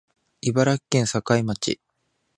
茨城県境町